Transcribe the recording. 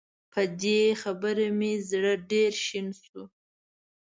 په دې خبره مې زړه ډېر شين شو